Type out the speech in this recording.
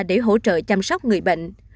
để hỗ trợ chăm sóc người bệnh